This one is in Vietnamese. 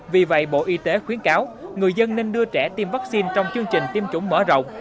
vì vậy bộ y tế khuyến cáo người dân nên đưa trẻ tiêm vaccine trong chương trình tiêm chủng mở rộng